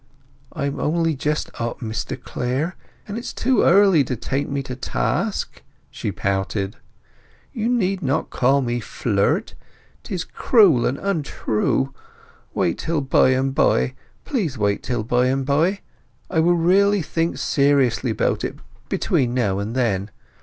"I am only just up, Mr Clare, and it is too early to take me to task!" she pouted. "You need not call me Flirt. 'Tis cruel and untrue. Wait till by and by. Please wait till by and by! I will really think seriously about it between now and then.